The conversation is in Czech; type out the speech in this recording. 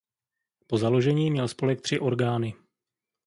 Po založení měl spolek tři orgány.